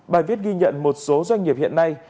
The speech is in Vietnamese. bài viết ghi nhận một số doanh nghiệp hiện nay